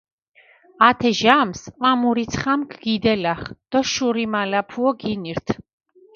ათე ჟამსჷ ჸვამურიცხამქ ქიდელახჷ დო შურიმალაფუო გინირთჷ.